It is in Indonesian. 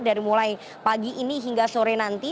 dari mulai pagi ini hingga sore nanti